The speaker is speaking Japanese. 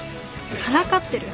からかってる？